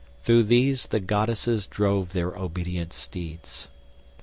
Through these the goddesses drove their obedient steeds.